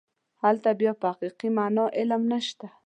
هلته بیا په حقیقي معنا علم نشته.